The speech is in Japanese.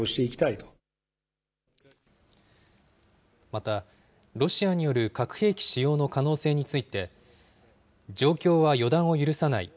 また、ロシアによる核兵器使用の可能性について、状況は予断を許さない。